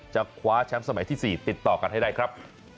คว้าแชมป์สมัยที่๔ติดต่อกันให้ได้ครับ